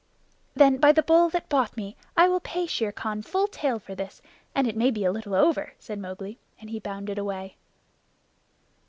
"Then, by the Bull that bought me, I will pay Shere Khan full tale for this, and it may be a little over," said Mowgli, and he bounded away.